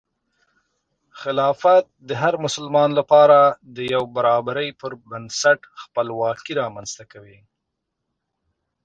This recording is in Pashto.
خلافت د هر مسلمان لپاره د یو برابري پر بنسټ خپلواکي رامنځته کوي.